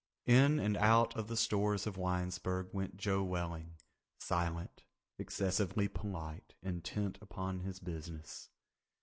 In and out of the stores of Winesburg went Joe Welling—silent, excessively polite, intent upon his business.